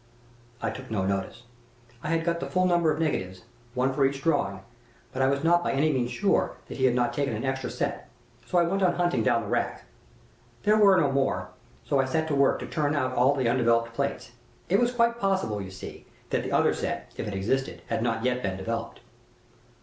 "I took no notice. I had got the full number of negatives, one for each drawing, but I was not by any means sure that he had not taken an extra set; so I went on hunting down the rack. There were no more, so I set to work to turn out all the undeveloped plates. It was quite possible, you see, that the other set, if it existed, had not yet been developed.